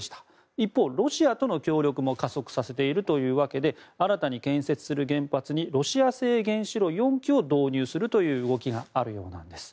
一方、ロシアとの協力も加速させているわけで新たに建設する原発にロシア製原子炉４基を導入するという動きがあるようなんです。